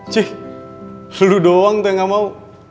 cek lo doang tuh yang ga mau